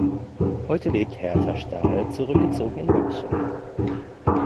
Heute lebt Hertha Staal zurückgezogen in München.